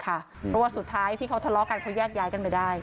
เพราะว่าสุดท้ายที่เขาทะเลาะกันเขาแยกย้ายกันไปได้